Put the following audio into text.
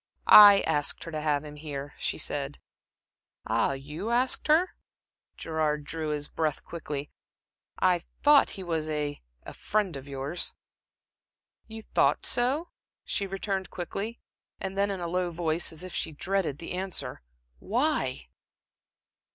"I asked her to have him here," she said. "Ah, you asked her?" Gerard drew his breath quickly. "I thought he was a a friend of yours." "You thought so?" she returned quickly, and then in a low voice, as if she dreaded the answer: "Why?"